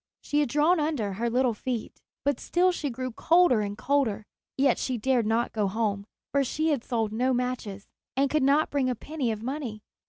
She had drawn under her little feet, but still she grew colder and colder; yet she dared not go home, for she had sold no matches, and could not bring a penny of money.